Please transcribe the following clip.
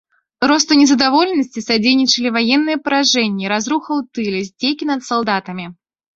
Росту незадаволенасці садзейнічалі ваенныя паражэнні, разруха ў тыле, здзекі над салдатамі.